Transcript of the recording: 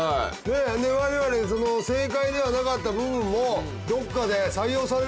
我々その正解ではなかった部分もどっかで採用される。